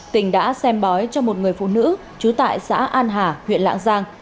tỉnh đã xem bói cho một người phụ nữ trú tại xã an hà huyện lạng giang